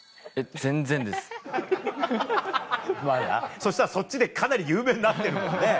そしたらそっちでかなり有名になってるもんね。